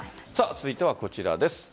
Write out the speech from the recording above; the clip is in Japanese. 続いてはこちらです。